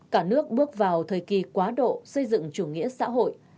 cả nước bước vào thời kỳ quá độ xây dựng chủ nghĩa xã hội